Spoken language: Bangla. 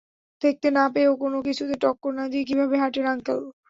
দেখতে না পেয়েও কোন কিছুতে টক্কর না দিয়ে কীভাবে হাঁটেন, আঙ্কেল?